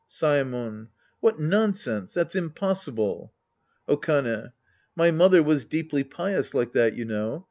Saemon. What nonsense ! That's impossible. Okane. My mother was deeply pious like that, you know.